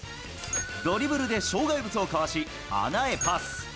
ドリブルで障害物をかわし、穴へパス。